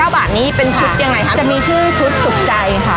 ๙บาทนี้เป็นชุดยังไงคะจะมีชื่อชุดสุขใจค่ะ